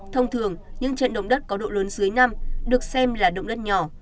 thông thường những trận động đất có độ lớn dưới năm được xem là động đất nhỏ